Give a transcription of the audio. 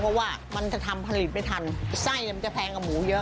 เพราะว่ามันจะทำผลิตไม่ทันไส้มันจะแพงกับหมูเยอะ